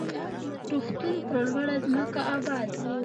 روغتون پر لوړه ځمکه اباد و.